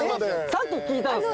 さっき聞いたんですか？